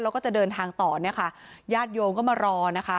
แล้วก็จะเดินทางต่อเนี่ยค่ะญาติโยมก็มารอนะคะ